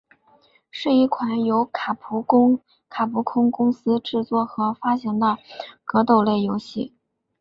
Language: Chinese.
是一款由卡普空公司制作和发行的格斗类游戏。